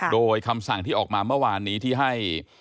โดยคำสั่งที่ออกมาเมื่อวานนี้ที่ให้